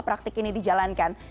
praktik ini dijalankan